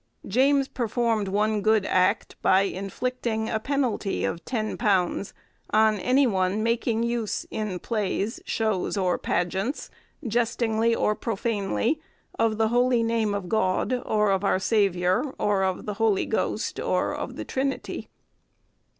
James performed one good act, by inflicting a penalty of £10 on any one making use, in plays, shows, or pageants, jestingly or profanely, of the Holy Name of God, or of our Saviour, or of the Holy Ghost, or of the Trinity.